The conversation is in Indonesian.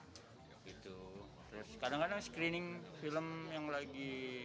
terus kadang kadang screening film yang lagi